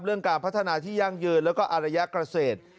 การพัฒนาที่ยั่งยืนแล้วก็อารยะเกษตร